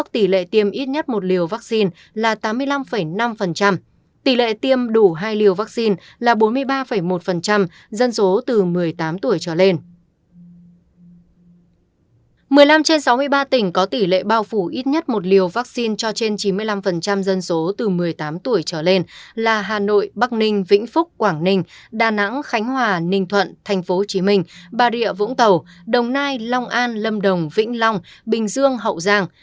tỷ lệ tiêm đủ hai liều vaccine là chín mươi năm năm dân số từ một mươi tám tuổi trở lên là hà nội bắc ninh vĩnh phúc quảng ninh đà nẵng khánh hòa ninh thuận tp hcm bà rịa vũng tàu đồng nai long an lâm đồng vĩnh long bình dương hậu giang